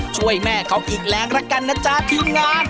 ช่วยแม่เขาอีกแรงละกันนะจ๊ะทีมงาน